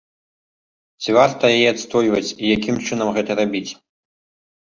Ці варта яе адстойваць і якім чынам гэта рабіць?